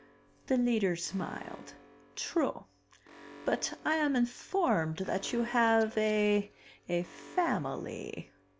The Leader smiled. "True. But I am informed that you have a a family...."